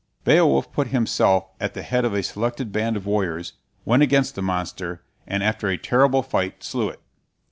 Beowulf put himself at the head of a selected band of warriors, went against the monster, and after a terrible fight slew it.